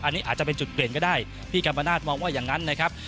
อันนี้อาจจะเป็นจุดเปลี่ยนก็ได้พี่กัมปนาศมองว่าอย่างนั้นนะครับ